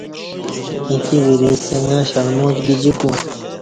ایکی ورے سنگہ شلماچ گجیکو